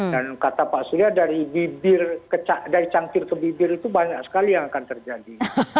dan kata pak surya dari bibir dari cangkir ke bibir itu banyak sekali yang akan terjadi